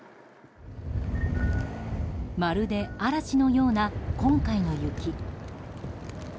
まるで嵐のような今回の雪。